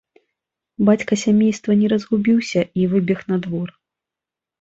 Бацька сямейства не разгубіўся і выбег на двор.